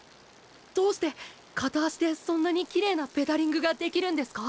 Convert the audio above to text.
どうして片足でそんなにきれいなペダリングができるんですか？